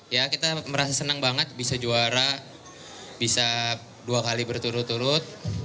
ya kita merasa senang banget bisa juara bisa dua kali berturut turut